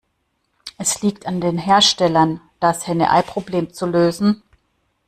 Es liegt an den Herstellern, das Henne-Ei-Problem zu lösen.